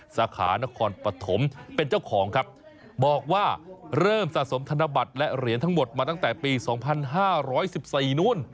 สาขานครปฐมเป็นเจ้าของครับบอกว่าเริ่มสะสมธนบัตรและเหรียญทั้งหมดมาตั้งแต่ปี๒๕๑๔นู้น